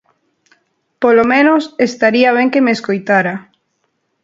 Polo menos, estaría ben que me escoitara.